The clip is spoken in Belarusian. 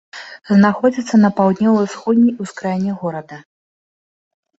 Знаходзіцца на паўднёва-ўсходняй ускраіне горада.